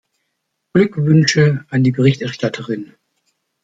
Glückwünsche an die Berichterstatterin.